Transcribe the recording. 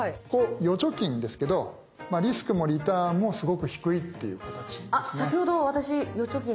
預貯金ですけどリスクもリターンもすごく低いっていう形ですね。